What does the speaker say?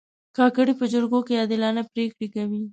کاکړي په جرګو کې عادلانه پرېکړې کوي.